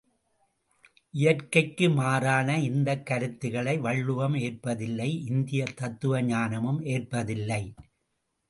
இயற்கைக்கு மாறான இந்தக் கருத்துக்களை வள்ளுவம் ஏற்பதில்லை இந்திய தத்துவ ஞானமும் ஏற்பதில்லை.